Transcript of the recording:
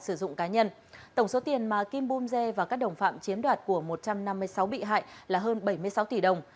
sử dụng cá nhân tổng số tiền mà kim bum dê và các đồng phạm chiếm đoạt của một trăm năm mươi sáu bị hại là hơn bảy mươi sáu tỷ đồng